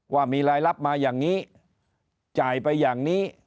ว่ามีรายรับมาอย่างนี้จ่ายไปอย่างนี้